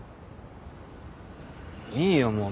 いいよもう。